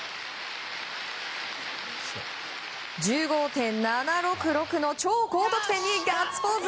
１５．７６６の超高得点にガッツポーズ！